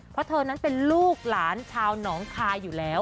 เพราะเธอนั้นเป็นลูกหลานชาวหนองคายอยู่แล้ว